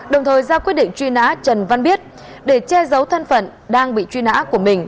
đồng thời ra quyết định truy nã trần văn biết để che giấu thân phận đang bị truy nã của mình